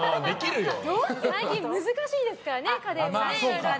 最近難しいですから、家電も。